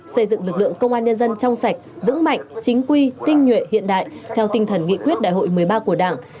xây dựng lực lượng công an nhân dân trong sạch vững mạnh chính quy tinh nhuệ hiện đại theo tinh thần nghị quyết đại hội một mươi ba của đảng